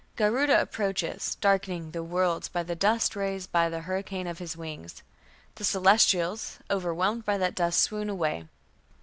Garuda approaches "darkening the worlds by the dust raised by the hurricane of his wings". The celestials, "overwhelmed by that dust", swoon away.